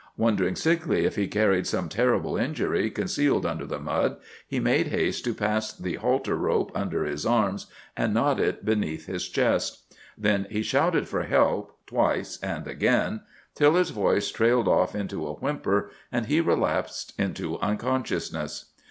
Wondering sickly if he carried some terrible injury concealed under the mud, he made haste to pass the halter rope under his arms and knot it beneath his chest. Then he shouted for help, twice and again, till his voice trailed off into a whimper and he relapsed into unconsciousness.